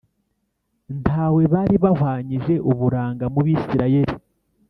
Nta we bari bahwanyije uburanga mu Bisirayeli